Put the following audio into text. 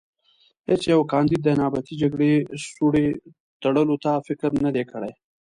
هېڅ یوه کاندید د نیابتي جګړې سوړې تړلو ته فکر نه دی کړی.